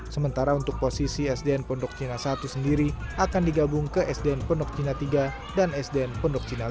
sementara untuk posisi sdn pondok cina satu sendiri akan digabung ke sdn pondok cina tiga dan sdn pondok cina